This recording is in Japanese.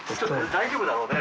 大丈夫だろうね？